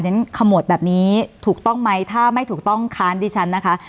ฉะขมวดแบบนี้ถูกต้องไหมถ้าไม่ถูกต้องค้านดิฉันนะคะ